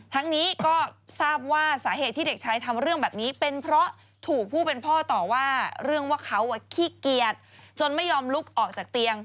ทั้งนี้ก็ทราบว่าสาเหตุที่เด็กชายทำเรื่องแบบนี้เป็นเพราะถูกผู้เป็นพ่อต่อว่าเรื่องว่าเขาขี้เกียจจนไม่ยอมลุกออกจากเตียง